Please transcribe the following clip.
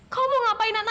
kamu jahat banget yedok